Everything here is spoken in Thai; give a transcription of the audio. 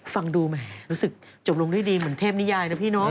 ฟังดูแหมรู้สึกจบลงด้วยดีเหมือนเทพนิยายนะพี่น้อง